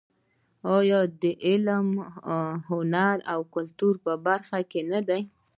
آیا د علم، هنر او کلتور په برخه کې نه دی؟